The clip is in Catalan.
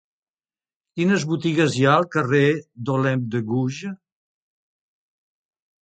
Quines botigues hi ha al carrer d'Olympe de Gouges?